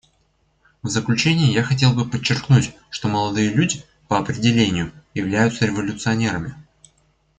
В заключение я хотел бы подчеркнуть, что молодые люди, по определению, являются революционерами.